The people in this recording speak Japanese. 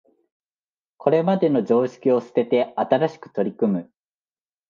これまでの常識を捨てて新しく取り組む